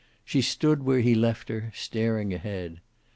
She stood where he left her, staring ahead.